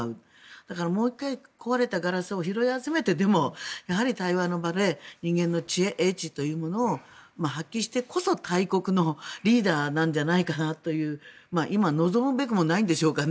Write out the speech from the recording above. だから、もう１回壊れたガラスを拾い集めてでも対話の場で人間の知恵、英知というものを発揮してこそ大国のリーダーなんじゃないかなという今、望むべくもないんでしょうかね。